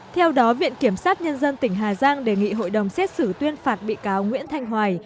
theo đó viện kiểm sát nhân dân tỉnh hà giang đề nghị hội đồng xét xử tuyên phạt bị cáo nguyễn thanh hoài